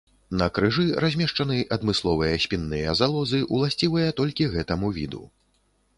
На крыжы размешчаны адмысловыя спінныя залозы, уласцівыя толькі гэтаму віду.